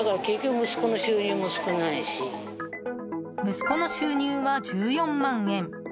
息子の収入は１４万円。